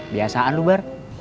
biasaan lu bar